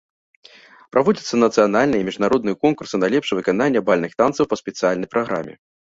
Праводзяцца нацыянальныя і міжнародныя конкурсы на лепшае выкананне бальных танцаў па спецыяльнай праграме.